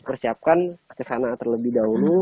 persiapkan kesana terlebih dahulu